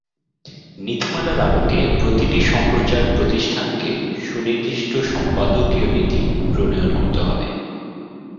নীতিমালার আলোকে প্রতিটি সম্প্রচার প্রতিষ্ঠানকে সুনির্দিষ্ট সম্পাদকীয় নীতি প্রণয়ন করতে হবে।